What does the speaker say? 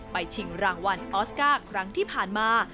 ชิงรางวัลออสการ์ครั้งที่ผ่านมา